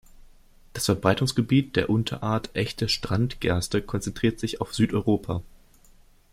Das Verbreitungsgebiet der Unterart Echte Strand-Gerste konzentriert sich auf Südeuropa.